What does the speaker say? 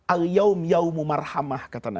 al yaum yaumum marhamah